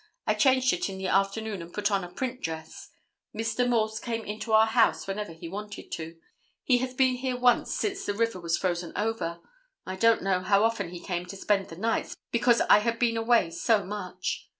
I changed it in the afternoon and put on a print dress. Mr. Morse came into our house whenever he wanted to. He has been here once since the river was frozen over. I don't know how often he came to spend the nights, because I had been away so much.